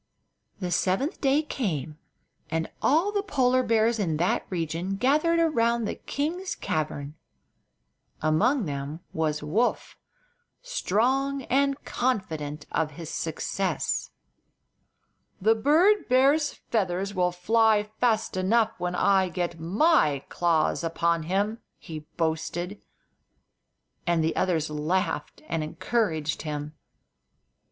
The seventh day came, and all the Polar bears in that region gathered around the king's cavern. Among them was Woof, strong and confident of his success. "The bird bear's feathers will fly fast enough when I get my claws upon him!" he boasted; and the others laughed and encouraged him.